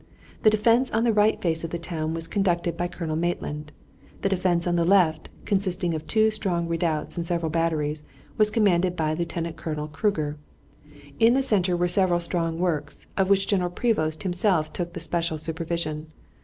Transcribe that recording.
The defense on the right face of the town was conducted by Colonel Maitland. The defense on the left, consisting of two strong redoubts and several batteries, was commanded by Lieutenant Colonel Cruger. In the center were several strong works, of which General Prevost himself took the special supervision.